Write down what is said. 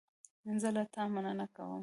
زه له تا مننه کوم.